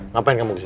ngapain kamu kesini